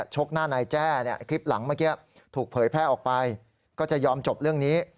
ชกหน้านายแจ้คลิปหลังเมื่อกี้ถูกเผยแพร่ออกไปก็จะยอมจบเรื่องนี้